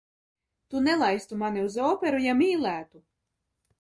Tu nelaistu mani uz operu, ja mīlētu!